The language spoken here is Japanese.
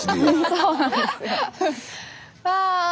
そうなんですよ。